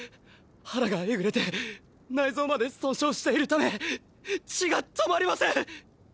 腹がエグれて内臓まで損傷しているため血が止まりません。